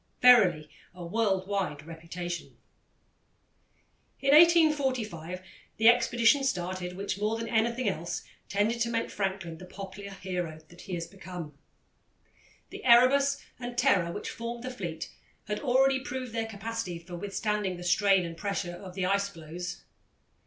Verily, a world wide reputation. In 1845 the expedition started which, more than anything else, tended to make Franklin the popular hero he has become. The Erebus and Terror, which formed the fleet, had already proved their capacity for withstanding the strain and pressure of the ice floes.